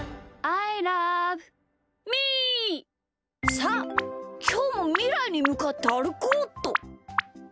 さあきょうもみらいにむかってあるこうっと。